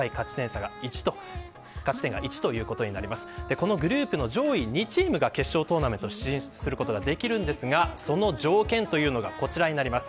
このグループの上位２チームが決勝トーナメントに進出できますがその条件というのがこちらです。